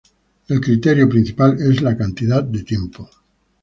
El criterio principal es la cantidad de tiempo".